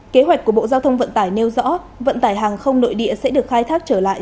kế hoạch của bộ giao thông vận tải nêu rõ vận tải hàng không nội địa sẽ được khai thác trở lại